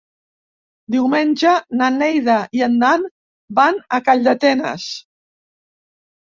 Diumenge na Neida i en Dan van a Calldetenes.